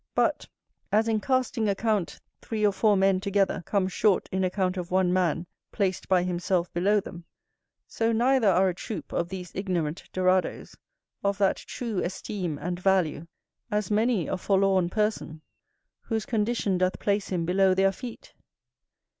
But, as in casting account three or four men together come short in account of one man placed by himself below them, so neither are a troop of these ignorant Doradoes of that true esteem and value as many a forlorn person, whose condition doth place him below their feet.